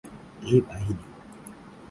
এই বাহিনী।